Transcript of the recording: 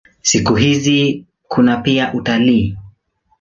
Siku hizi kuna pia utalii.